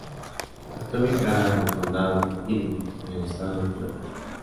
Está ubicada en el condado de Irwin, en el estado de Georgia.